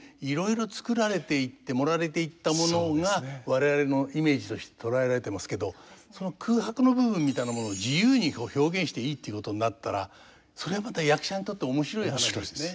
我々のイメージとして捉えられてますけどその空白の部分みたいなものを自由に表現していいっていうことになったらそれはまた役者にとって面白い話ですね。